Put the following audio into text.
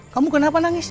kamu kenapa nangis